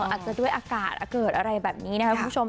อาจจะด้วยอากาศอาเกิดอะไรแบบนี้นะครับคุณผู้ชม